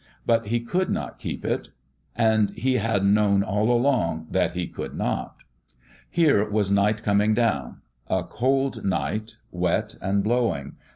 But he could not keep it ; and he had known all along that he could not. Here was night coming down : a cold night "THEOLOGICAL TRAINING 163 wet and blowing.